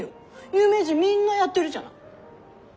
有名人みんなやってるじゃない。